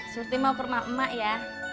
surti mau ke rumah emak ya